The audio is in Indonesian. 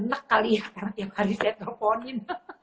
enak kali ya karena tiap hari saya teleponin